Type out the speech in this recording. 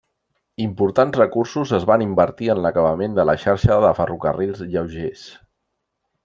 Importants recursos es van invertir en l'acabament de la xarxa de ferrocarrils lleugers.